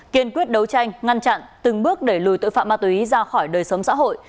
kiên quyết đấu tranh ngăn chặn từng bước đẩy lùi tội phạm ma túy ra khỏi đời sống xã hội